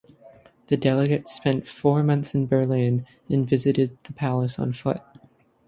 The delegates spent four months in Berlin and visited the palace on foot.